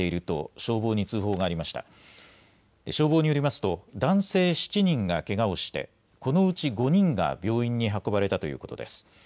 消防によりますと男性７人がけがをして、このうち５人が病院に運ばれたということです。